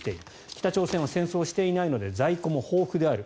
北朝鮮は戦争をしていないので在庫も豊富である。